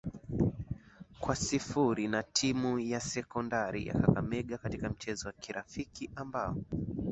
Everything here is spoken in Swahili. kwa sifuri na timu ya sekondari ya kakamega katika mchezo wa kirafiki ambao